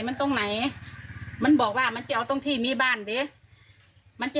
มันตรงไหนมันบอกว่ามันจะเอาตรงที่มีบ้านดิมันจะ